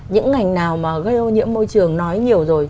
những ngành nào mà gây ô nhiễm môi trường nói nhiều rồi